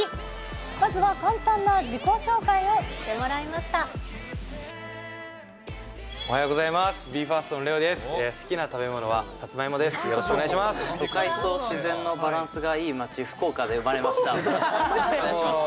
まずは簡単な自己紹介をしてもらおはようございます。